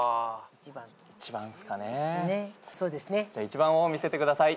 １番を見せてください。